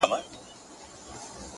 لويي له خداى سره ښايي.